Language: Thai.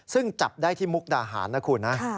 ซึ่งจับได้ที่มุกดาหารนะคุณนะ